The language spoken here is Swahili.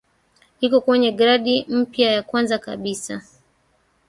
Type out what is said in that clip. iko kwenye gradi mpya ya kwanza kabisa